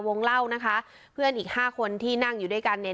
วงเล่านะคะเพื่อนอีกห้าคนที่นั่งอยู่ด้วยกันเนี่ย